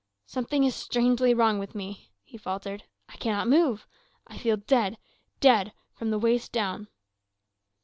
"Something is strangely wrong with me," he faltered. "I cannot move. I feel dead dead from the waist down."